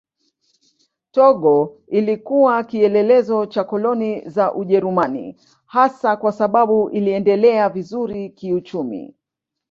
Togo ilikuwa kielelezo cha koloni za Ujerumani hasa kwa sababu iliendelea vizuri kiuchumi.